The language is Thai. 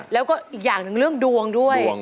แล้วก็อีกอย่างหนึ่งเรื่องดวงด้วย